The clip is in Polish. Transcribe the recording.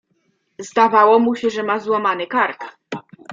"Zdawało mu się, że ma złamany kark."